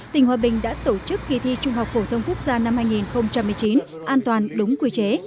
tỉnh hòa bình đã tổ chức kỳ thi trung học phổ thông quốc gia năm hai nghìn một mươi chín an toàn đúng quy chế